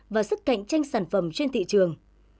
và sức cạnh tranh sản phẩm trên thị trường